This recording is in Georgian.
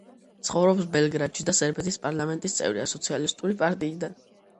ცხოვრობს ბელგრადში და სერბეთის პარლამენტის წევრია სოციალისტური პარტიიდან.